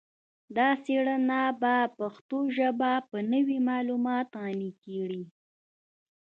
دا څیړنه به پښتو ژبه په نوي معلوماتو غني کړي